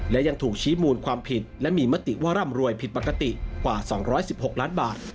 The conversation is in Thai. และยังถูกชี้มูลความผิดและมีมติว่าร่ำรวยผิดปกติกว่า๒๑๖ล้านบาท